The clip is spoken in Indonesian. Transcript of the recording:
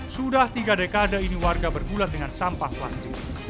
sudah tiga dekade ini warga bergulat dengan sampah plastik